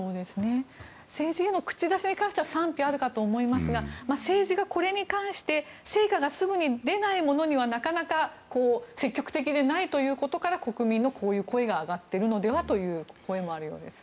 政治への口出しに関しては賛否があると思いますが政治がこれに関して成果がすぐに出ないものには積極的でないということから国民のこういう声が上がっているのではという声もあるようです。